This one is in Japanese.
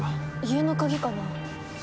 家の鍵かな？